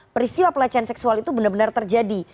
peristiwa pelecehan seksual itu benar benar terjadi